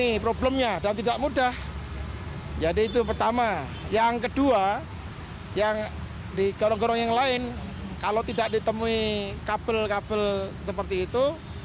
ini problemnya dan tidak mudah jadi itu pertama yang kedua yang di gorong gorong yang lain kalau tidak ditemui kabel kabel seperti itu